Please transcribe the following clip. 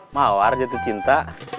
mawar jatuh cinta